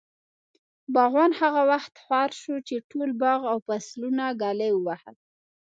باغوان هغه وخت خوار شو، چې ټول باغ او فصلونه ږلۍ ووهل.